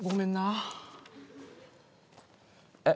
えっ？